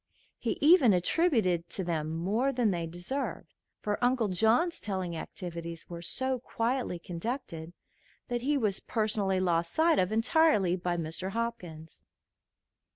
He even attributed to them more than they deserved, for Uncle John's telling activities were so quietly conducted that he was personally lost sight of entirely by Mr. Hopkins.